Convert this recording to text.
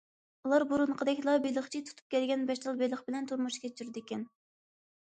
ئۇلار بۇرۇنقىدەكلا بېلىقچى تۇتۇپ كەلگەن بەش تال بېلىق بىلەن تۇرمۇش كەچۈرىدىكەن.